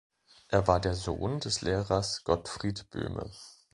Er war der Sohn des Lehrers Gottfried Böhme.